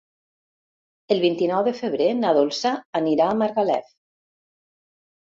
El vint-i-nou de febrer na Dolça anirà a Margalef.